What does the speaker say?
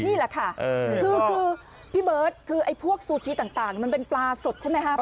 นี่แหละค่ะคือพี่เบิร์ตคือไอ้พวกซูชิต่างมันเป็นปลาสดใช่ไหมครับ